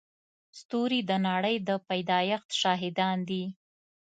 ستوري د نړۍ د پيدایښت شاهدان دي.